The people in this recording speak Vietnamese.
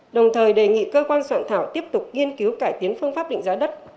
đồng thời đề nghị cơ quan soạn thảo tiếp tục nghiên cứu cải tiến phương pháp định giá đất